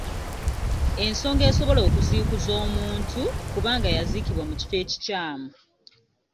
Ensonga esobola okuziikuza omuntu kuba nga yaziikibwa mu kifo ekikyamu.